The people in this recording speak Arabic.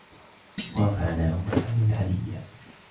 وَرَفَعْنَاهُ مَكَانًا عَلِيًّا